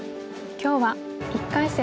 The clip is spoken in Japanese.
今日は１回戦